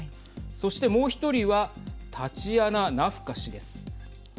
そして、もう１人はタチアナ・ナフカ氏です。